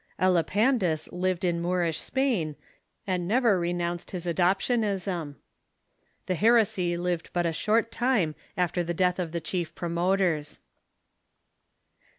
Elipandus lived in Moorish Spain, and never renounced his adoptianism. The heresy lived but a short time after the death of the chief pro moters.